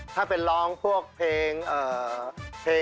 ถ้าเป็นร้องพวกเพลงเพลง